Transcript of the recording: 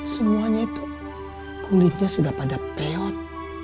semuanya itu kulitnya sudah pada peot